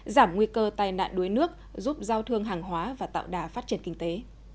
giảm nguy cơ tai nạn đuối nước giúp giao thương hàng hóa và tạo đà phát triển kinh tế